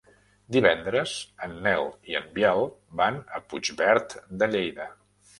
Divendres en Nel i en Biel van a Puigverd de Lleida.